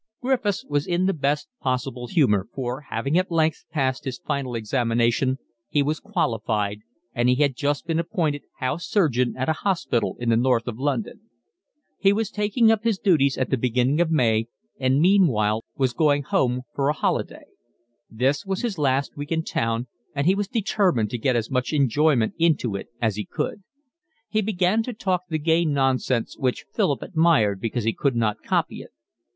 Griffiths was in the best possible humour, for, having at length passed his final examination, he was qualified, and he had just been appointed house surgeon at a hospital in the North of London. He was taking up his duties at the beginning of May and meanwhile was going home for a holiday; this was his last week in town, and he was determined to get as much enjoyment into it as he could. He began to talk the gay nonsense which Philip admired because he could not copy it.